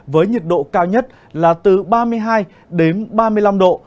với nhiệt độ cao nhất là từ ba mươi hai đến ba mươi năm độ